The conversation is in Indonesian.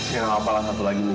kenapa apalah satu lagi mila